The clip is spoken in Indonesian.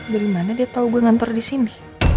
dari mana dia tau gue ngantor disini